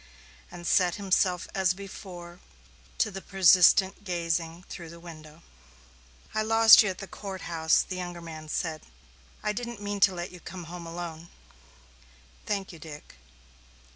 And set himself as before to the persistent gazing through the window. "I lost you at the court house," the younger man said. "I didn't mean to let you come home alone." "Thank you, Dick."